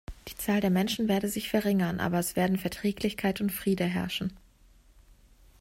Die Zahl der Menschen werde sich verringern, aber es werden Verträglichkeit und Friede herrschen.